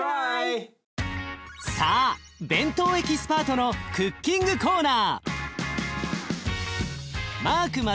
さあ弁当エキスパートのクッキングコーナー。